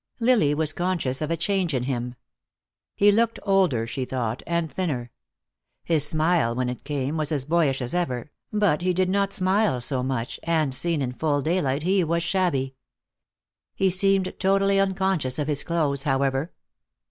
Lily was conscious of a change in him. He looked older, she thought, and thinner. His smile, when it came, was as boyish as ever, but he did not smile so much, and seen in full daylight he was shabby. He seemed totally unconscious of his clothes, however.